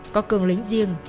có cương lính riêng